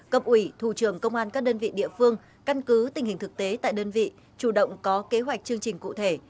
cập ủy thủ trưởng công an các đơn vị địa phương căn cứ tình hình thực tế tại đơn vị chủ động có kế hoạch chương trình cụ thể